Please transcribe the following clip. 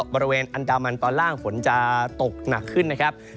บริเวณอันดามันตอนล่างฝนจะตกหนักขึ้นนะครับ